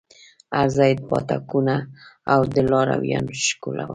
هرځاى پاټکونه او د لارويانو شکول.